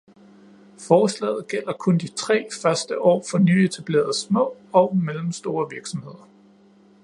Forslaget gælder kun de tre første år for nyetablerede små og mellemstore virksomheder.